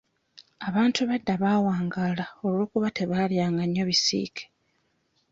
Abantu ab'edda bawangaalanga olw'okuba tebaalyanga nnyo bisiike.